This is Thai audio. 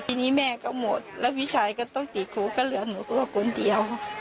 ทีนี้แม่ก็หมดแล้วพี่ชายก็ต้องติดคุกก็เหลือหนูกลัวคนเดียว